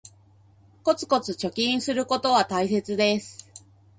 コツコツ貯金することは大切です